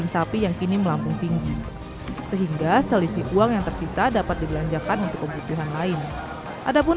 sehingga selisih uang yang tersisa dapat digelanjakan untuk kebutuhan lain adapun